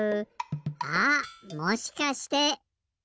あっもしかして。